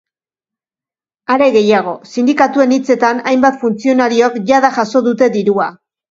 Are gehiago, sindikatuen hitzetan, hainbat funtzionariok jada jaso dute dirua.